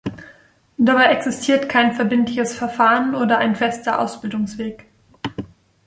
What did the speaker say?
Dabei existiert kein verbindliches Verfahren oder ein fester Ausbildungsweg.